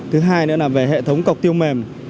thứ hai nữa là về hệ thống cọc tiêu mềm